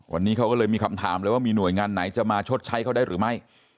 วันนี้เขาก็เลยมีคำถามเลยว่ามีหน่วยงานไหนจะมาชดใช้เขาได้หรือไม่